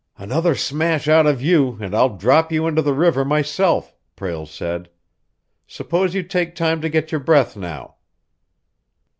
"Another smash out of you, and I'll drop you into the river myself!" Prale said. "Suppose you take time to get your breath now."